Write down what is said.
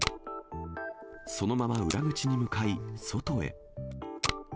そのまま裏口に向かい、外へ。